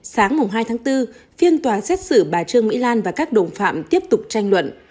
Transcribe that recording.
sáng hai tháng bốn phiên tòa xét xử bà trương mỹ lan và các đồng phạm tiếp tục tranh luận